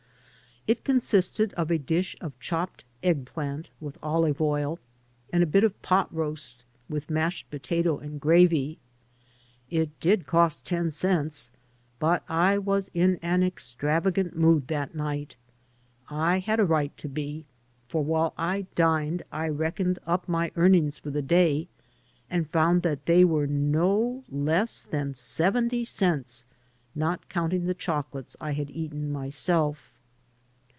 It consisted of a dish of chopped eggplant with oKve oil, and a bit of pot roast with mashed potato and gravy. It did cost ten cents; but I was in an extravagant mood that night. I had a right to be, for while I dined I reckoned up my earnings for the day and foimd that they were no less than seventy cents, not counting the chocolates I had eaten myself.